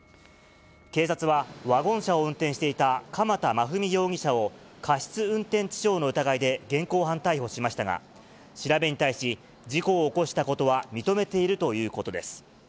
警察は、ワゴン車を運転していた鎌田麻郁容疑者を、過失運転致傷の疑いで現行犯逮捕しましたが、調べに対し、事故を起こしたことは認めているということです。